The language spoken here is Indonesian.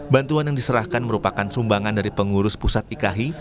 bantuan yang diserahkan merupakan sumbangan dari pengurus pusat ikai